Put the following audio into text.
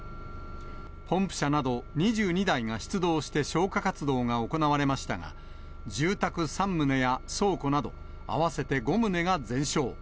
ポンプ車など２２台が出動して消火活動が行われましたが、住宅３棟や倉庫など、合わせて５棟が全焼。